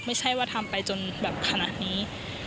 ไม่ใช่ว่าทำไปจนแบบขนาดนี้